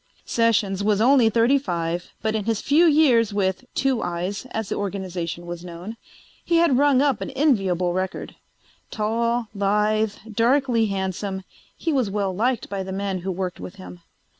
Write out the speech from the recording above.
Sessions was only thirty five, but in his few years with "Two Eyes," as the organization was known, he had rung up an enviable record. Tall, lithe, darkly handsome, he was well liked by the men who worked with him.